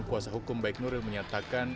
kuasa hukum baik nuril menyatakan